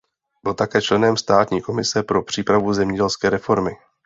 Byl také členem státní komise pro přípravu zemědělské reformy.